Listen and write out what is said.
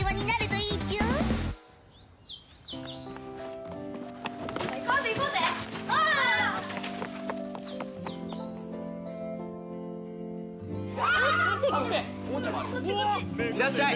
いらっしゃい！